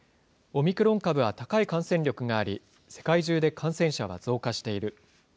オミクロン株は高い感染力があり、世界中で感染者は増加している。